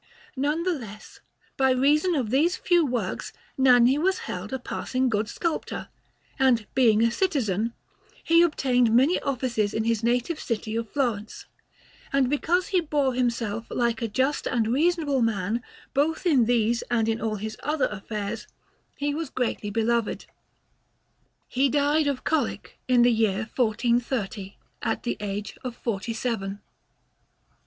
None the less, by reason of these few works Nanni was held a passing good sculptor; and being a citizen, he obtained many offices in his native city of Florence, and because he bore himself like a just and reasonable man both in these and in all his other affairs, he was greatly beloved. He died of colic in the year 1430, at the age of forty seven.